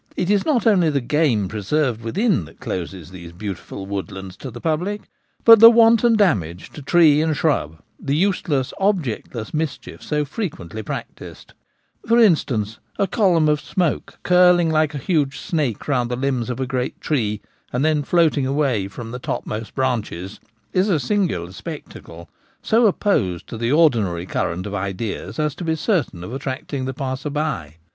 It is not only the game preserved within that closes these beautiful woodlands to the public, but the wanton damage to tree and shrub, the use less, objectless mischief so frequently practised. For 138 The Gamekeeper at Home. instance, a column of smoke, curling like a huge snake round the limbs of a great tree and then floating away from the topmost branches, is a singular spectacle, so opposed to the ordinary current of ideas as to be certain of attracting the passer by.